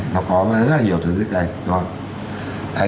nó có rất là nhiều thứ dưới đây